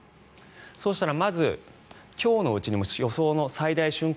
そうしたらまず、今日のうちに予想最大瞬間